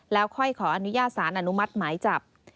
แล้วค่อยขออนุญาตสารอนุมัติหมายจับ